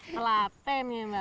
pelaten ya mbak